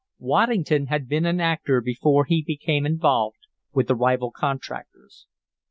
Waddington had been an actor before he became involved with the rival contractors.